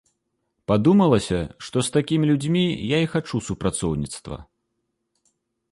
Падумалася, што з такімі людзьмі я і хачу супрацоўніцтва.